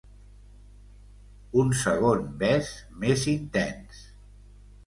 Un segon bes més intens.